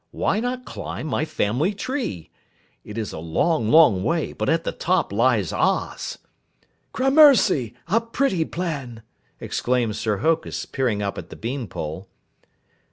Why not climb my family tree? It is a long, long way, but at the top lies Oz!" "Grammercy, a pretty plan!" exclaimed Sir Hokus, peering up at the bean pole.